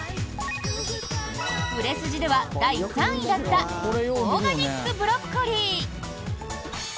売れ筋では第３位だったオーガニックブロッコリー。